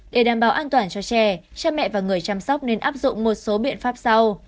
để đảm bảo an toàn cho trẻ cha mẹ và người chăm sóc nên áp dụng một số biện pháp sau